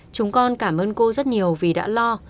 chúng con cảm ơn cô rất nhiều vì đã lo